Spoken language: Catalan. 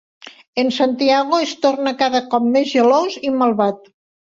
En Santiago es torna cada cop més gelós i malvat.